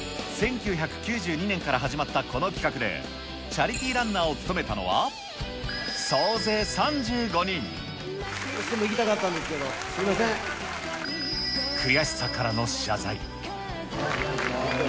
１９９２年から始まったこの企画で、チャリティーランナーを務めどうしても行きたかったんで悔しさからの謝罪。